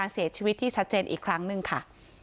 ไปโบกรถจักรยานยนต์ของชาวอายุขวบกว่าเองนะคะ